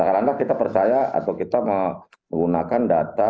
karena kita percaya atau kita menggunakan data